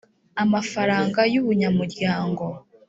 amafaranga y’ubunyamuryango